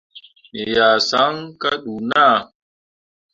Me yah saŋ kah ɗuu naa.